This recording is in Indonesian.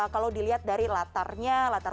kalau dilihat dari latarnya